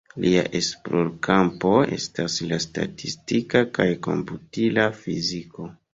Lia esplorkampo estas la statistika kaj komputila fiziko.